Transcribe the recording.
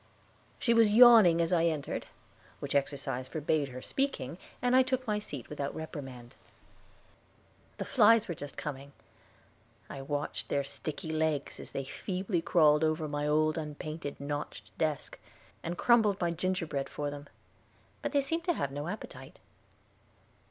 She was yawning as I entered, which exercise forbade her speaking, and I took my seat without a reprimand. The flies were just coming; I watched their sticky legs as they feebly crawled over my old unpainted notched desk, and crumbled my gingerbread for them; but they seemed to have no appetite.